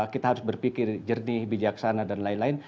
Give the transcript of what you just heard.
kita harus berpikir jernih bijaksana dan lain lain